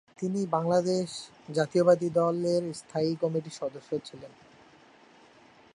তিনি বাংলাদেশ জাতীয়তাবাদী দলের স্থায়ী কমিটির সদস্য ছিলেন।